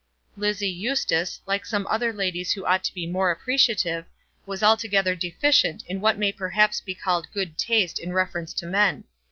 Lizzie Eustace, like some other ladies who ought to be more appreciative, was altogether deficient in what may perhaps be called good taste in reference to men.